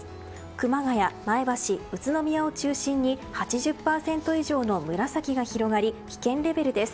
熊谷、前橋、宇都宮を中心に８０％以上の紫が広がり危険レベルです。